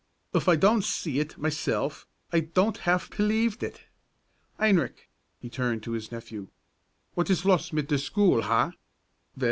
Uf I don't see it myself, I don't haf pelieved it! Heinrich," turning to his nephew, "was ist los' mit der schule, ha?